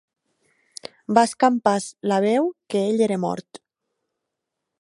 Va escampar-se la veu que ell era mort.